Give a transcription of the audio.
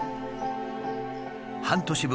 半年分